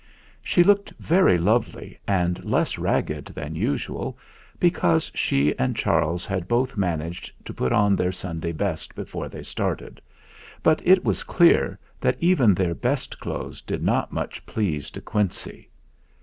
She looked very lovely and less ragged than usual, because she and Charles had both man aged to put on their Sunday best before they started; but it was clear that even their best clothes did not much please De Quincey.